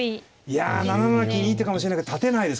いや７七金いい手かもしれないけど立てないです。